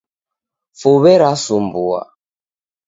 Fuwe rasumbua.